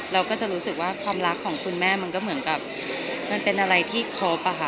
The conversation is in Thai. เราก็จะรู้สึกว่าความรักของคุณแม่มันก็เหมือนกับมันเป็นอะไรที่ครบอะค่ะ